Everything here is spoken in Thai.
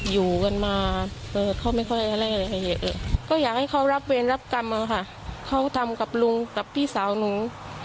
อยากให้เขารับเวรรับกรรมเขาทำกับลุงกับพี่สาวหนู